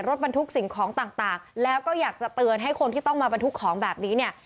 รถบรรทุกสิ่งของต่างแล้วก็อยากจะเตือนให้คนที่ต้องมาบรรทุกของแบบนี้เนี่ย